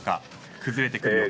崩れてくる予兆。